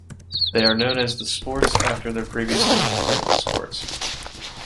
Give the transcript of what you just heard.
They are known as The Sports after their previous name as Langney Sports.